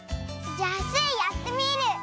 じゃあスイやってみる！